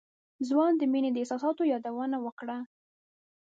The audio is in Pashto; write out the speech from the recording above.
ځوان د مينې د احساساتو يادونه وکړه.